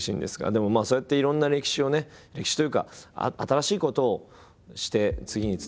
でもそうやっていろんな歴史をね歴史というか新しいことをして次につなげていく。